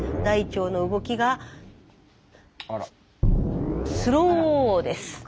大腸の動きがスローです。